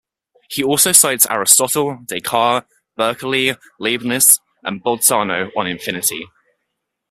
He also cites Aristotle, Descartes, Berkeley, Leibniz, and Bolzano on infinity.